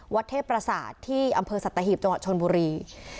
เทพประสาทที่อำเภอสัตหีบจังหวัดชนบุรี